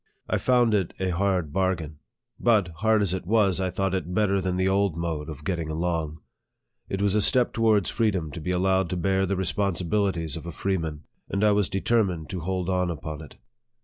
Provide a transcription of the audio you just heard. I found it a hard bar gain. But, hard as it was, I thought it better than the old mode of getting along. It was a step towards freedom. to be allowed to bear the responsibilities of a freeman, and I was determined to hold on upon it.